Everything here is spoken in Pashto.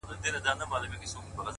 چا راوړي د پیسو وي ډک جېبونه-